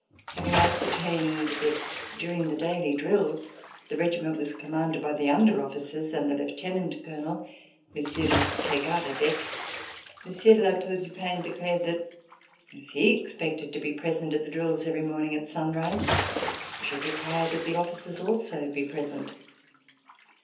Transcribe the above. Having ascertained that during the daily drills the regiment was commanded by the under officers and the Lieutenant Colonel, Monsieur de Kergaradec, Monsieur de La Tour du Pin declared that, as he expected to be present at the drills every morning at sunrise, he should require that the officers also be present.